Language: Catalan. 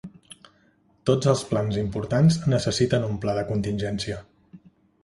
Tots els plans importants necessiten un pla de contingència.